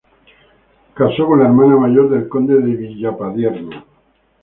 Casó con la hermana mayor del Conde de Villapadierna.